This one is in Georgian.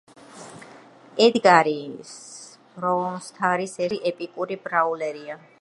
ედგარი Brawl Stars-ის ერთ-ერთი ყველაზე პოპულარული, ეპიკური ბრაულერია